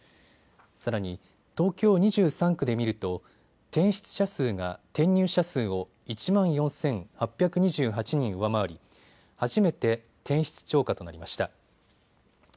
さらに、東京２３区で見ると転出者数が転入者数を１万４８２８人上回り初めて転出超過となりました。